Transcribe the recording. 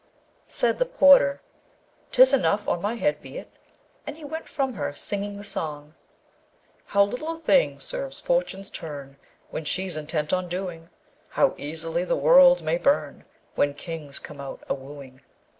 Said the porter, ''Tis enough! on my head be it.' And he went from her, singing the song: How little a thing serves Fortune's turn When she's intent on doing! How easily the world may burn When kings come out a wooing!